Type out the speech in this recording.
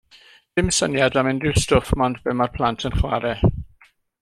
Dim syniad am unrhyw stwff 'mond be mae'r plant yn chwarae.